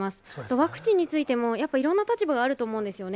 ワクチンについても、やっぱいろんな立場があると思うんですよね。